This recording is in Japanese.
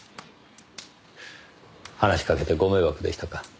話しかけてご迷惑でしたか？